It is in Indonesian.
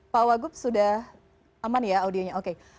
pak wagup sudah aman ya audionya